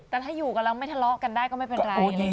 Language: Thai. แต่ถ้าอยู่กันแล้วไม่ทะเลาะกันได้ก็ไม่เป็นไร